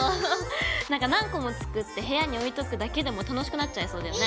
何か何個も作って部屋に置いとくだけでも楽しくなっちゃいそうだよね。